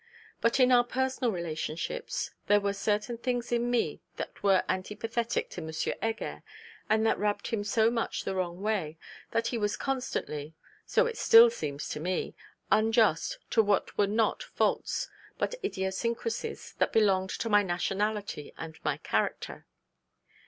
But in our personal relationships, there were certain things in me that were antipathetic to M. Heger, and that rubbed him so much the wrong way, that he was constantly (so it still seems to me) unjust to what were not faults, but idiosyncrasies, that belonged to my nationality and my character.